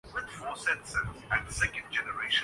بغیر روحانی تقویت کے، کرے بھی کیا۔